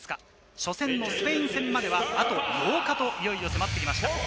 初戦のスペイン戦までは、あと８日といよいよ迫ってきました。